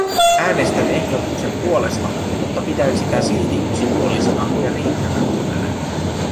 Äänestän ehdotuksen puolesta, mutta pidän sitä silti yksipuolisena ja riittämättömänä.